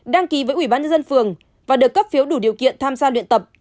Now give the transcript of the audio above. đăng ký với ủy ban nhân dân phường và được cấp phiếu đủ điều kiện tham gia luyện tập